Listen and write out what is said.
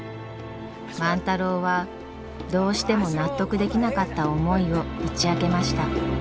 万太郎はどうしても納得できなかった思いを打ち明けました。